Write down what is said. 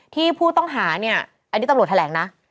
ที่ผู้ต้องหาเนี่ยอันนี้ตำรวจแถลงนะ